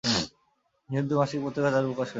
তিনি উর্দু মাসিক পত্রিকা জাদু প্রকাশ করেন।